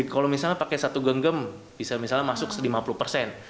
kalau misalnya pakai satu genggam bisa misalnya masuk lima puluh persen